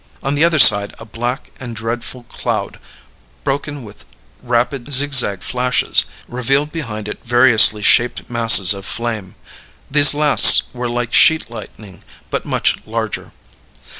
On the other side a black and dreadful cloud, broken with rapid, zigzag flashes, revealed behind it variously shaped masses of flame; these last were like sheet lightning, but much larger.